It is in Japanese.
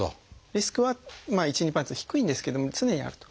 リスクは１２％と低いんですけども常にあると。